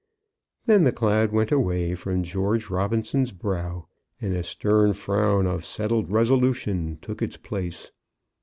Then the cloud went away from George Robinson's brow, and a stern frown of settled resolution took its place.